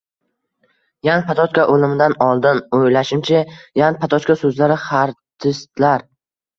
Yan Patochka o‘limidan oldin. O‘ylashimcha, Yan Patochka so‘zlari xartistlar